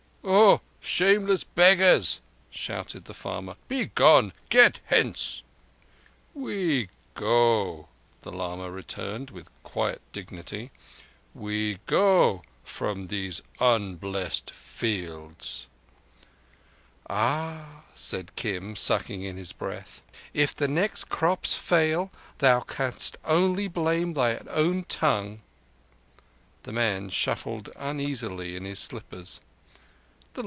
"Ho, shameless beggars!" shouted the farmer. "Begone! Get hence!" "We go," the lama returned, with quiet dignity. "We go from these unblessed fields." "Ah," said Kim, sucking in his breath. "If the next crops fail, thou canst only blame thine own tongue." The man shuffled uneasily in his slippers.